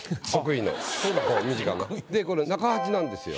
でこれ中八なんですよ。